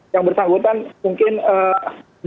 yang bersangkutan mungkin di